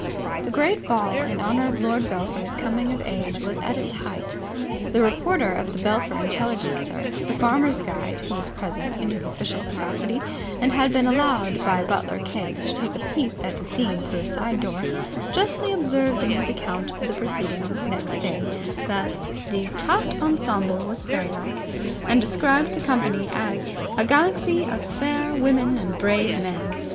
The great ball in honour of Lord Belpher's coming of age was at its height. The reporter of the Belpher Intelligencer and Farmers' Guide, who was present in his official capacity, and had been allowed by butler Keggs to take a peep at the scene through a side door, justly observed in his account of the proceedings next day that the 'tout ensemble was fairylike', and described the company as 'a galaxy of fair women and brave men'.